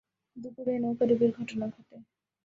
দুপুরে এ নৌকাডুবির ঘটনা ঘটে।